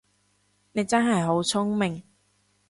你真係好聰明